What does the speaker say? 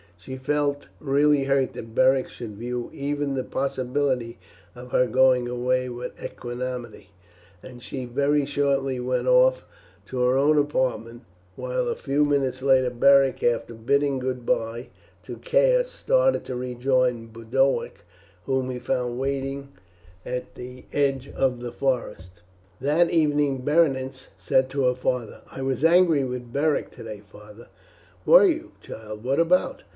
She felt really hurt that Beric should view even the possibility of her going away with equanimity, and she very shortly went off to her own apartment; while a few minutes later, Beric, after bidding goodbye to Caius, started to rejoin Boduoc, whom he found waiting at the edge of the forest. That evening Berenice said to her father, "I was angry with Beric today, father." "Were you, child? what about?"